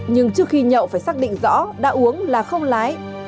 nhưng trước khi nhậu phải xác định rõ đã uống là không lái